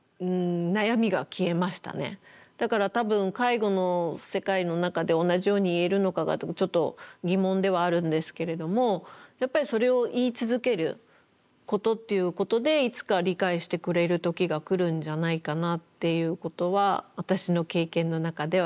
だから多分介護の世界の中で同じように言えるのかがちょっと疑問ではあるんですけれどもやっぱりそれを言い続けることっていうことでいつか理解してくれる時が来るんじゃないかなっていうことは私の経験の中では思いました